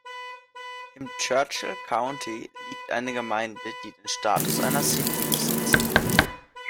Im Churchill County liegt eine Gemeinde, die den Status einer "City" besitzt.